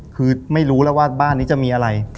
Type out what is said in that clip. คือไม่รู้แล้วว่าบ้านนี้จะมีอะไร